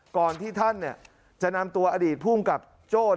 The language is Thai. ก่อนที่ท่านเนี่ยจะนำตัวอดีตผู้กรรมกับโจ้